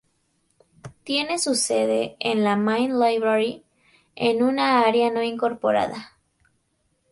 Tiene su sede en la Main Library en una área no incorporada.